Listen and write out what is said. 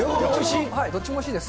どっちもおいしいです。